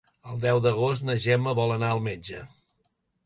El deu d'agost na Gemma vol anar al metge.